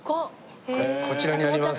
こちらになります。